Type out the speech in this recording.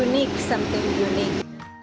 dan sesuatu yang unik